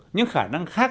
những khả năng khác